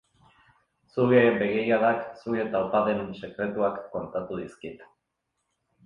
Zure begiradak zure taupaden sekretuak kontatu dizkit.